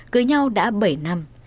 cưới nhau đã bảy năm